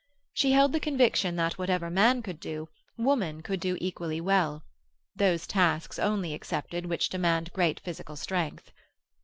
She held the conviction that whatever man could do, woman could do equally well—those tasks only excepted which demand great physical strength.